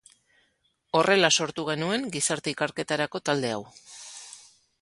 Horrela sortu genuen gizarte ikerketarako talde hau.